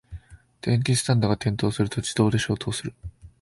電気スタンドが転倒すると自動で消灯する